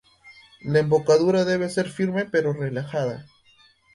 La embocadura debe ser firme pero relajada.